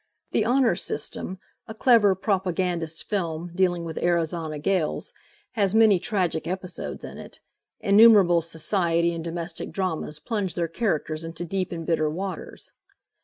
"The Honor System," a clever propagandist film dealing with Arizona gaols, has many tragic episodes in it; innumerable society and domestic dramas plunge their characters into deep and bitter waters.